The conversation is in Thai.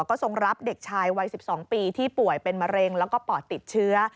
ก็ทรงรับเด็กชายวัย๑๒ปีที่ป่วยเป็นมะเร็งแล้วก็ปอดติดเชื้อ